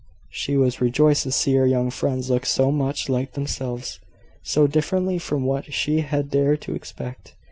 She was rejoiced to see her young friends look so much like themselves so differently from what she had dared to expect.